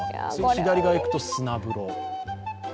左側へ行くと砂風呂。